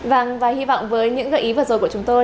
vâng và hy vọng với những gợi ý vừa rồi của chúng tôi